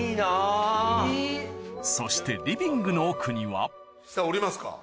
そしてリビングの奥には下下りますか。